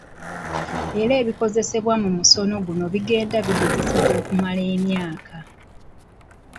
Era ebikozesebwa mu musono guno bigenda bigezesebwa okumala emyaka.